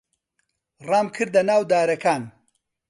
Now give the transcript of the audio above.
ڕامکردە ناو دارەکان.